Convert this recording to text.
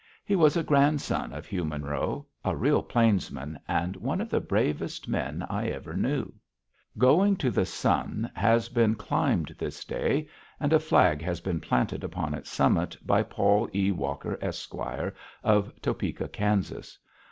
He was a grandson of Hugh Monroe, a real plainsman, and one of the bravest men I ever knew. [Illustration: GOING TO THE SUN MOUNTAIN] Going to the Sun has been climbed this day, and a flag has been planted upon its summit, by Paul E. Walker, Esq., of Topeka, Kansas.